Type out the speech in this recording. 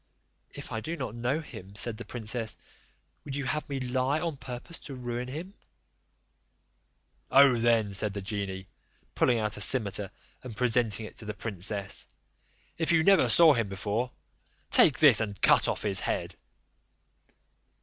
"If I do not know him," said the princess, "would you have me lie on purpose to ruin him?" "Oh then," said the genie, pulling out a cimeter and presenting it to the princess, "if you never saw him before, take this, and cut off his head."